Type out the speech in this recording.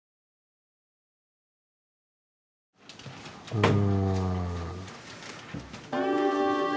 うん。